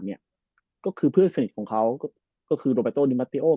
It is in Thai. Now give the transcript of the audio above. แล้วก็คือเพื่อนสนิทเหมือนกับโดบิโตดิมาทีโอก